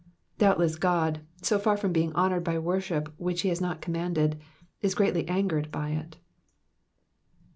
Doubtless God, so far from being honoured by worship which he has not commanded, is greatly angered at it.